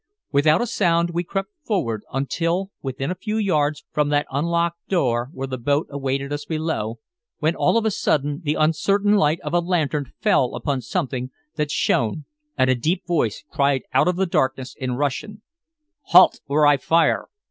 Without a sound we crept forward until within a few yards from that unlocked door where the boat awaited us below, when, of a sudden, the uncertain light of the lantern fell upon something that shone and a deep voice cried out of the darkness in Russian "Halt! or I fire!"